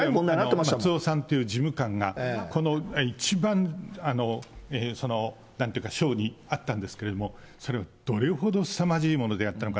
まつおさんっていう事務官が、この一番そのなんというか、あったんですけども、それはどれほどすさまじいものであったのか。